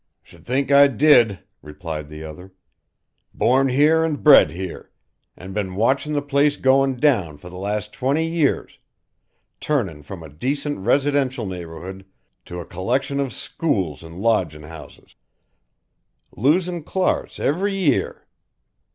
"Sh'd think I did," replied the other. "Born here and bred here, and been watchin' the place going down for the last twenty years, turnin' from a decent residential neighbourhood to a collection of schools and lodgin' houses, losin' clarse every year.